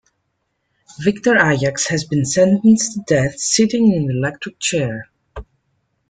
Victor Ajax has been sentenced to death, sitting in an electric chair.